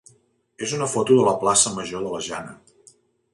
és una foto de la plaça major de la Jana.